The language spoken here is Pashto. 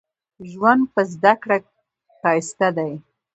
ژوند په زده کړه ښايسته دې